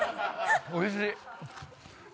おいしい。